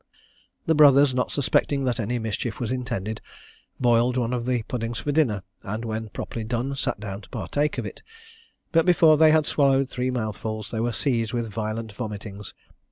The brothers, not suspecting that any mischief was intended, boiled one of the puddings for dinner, and when properly done, sat down to partake of it; but before they had swallowed three mouthfuls, they were seized with violent vomitings.